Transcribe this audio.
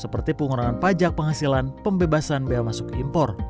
seperti pengurangan pajak penghasilan pembebasan bea masuk impor